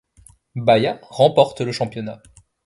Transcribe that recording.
Bahia remporte le championnat.